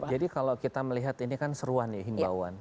jadi kalau kita melihat ini kan seruan ya himbauan